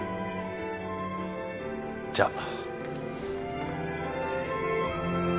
じゃあ。